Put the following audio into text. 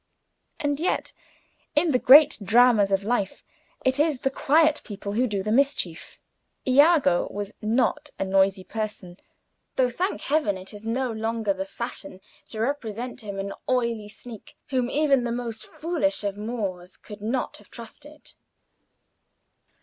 And yet, in the great dramas of life, it is the quiet people who do the mischief. Iago was not a noisy person, though, thank Heaven! it is no longer the fashion to represent him an oily sneak, whom even the most foolish of Moors could not have trusted.